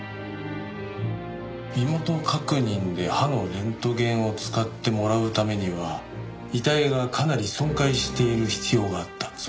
身元確認で歯のレントゲンを使ってもらうためには遺体がかなり損壊している必要があった。